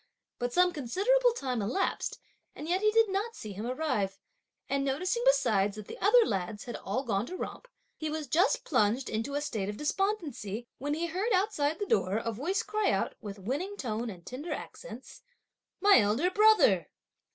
But some considerable time elapsed, and yet he did not see him arrive; and noticing besides that the other lads had all gone to romp, he was just plunged in a state of despondency, when he heard outside the door a voice cry out, with winning tone, and tender accents: "My elder brother!"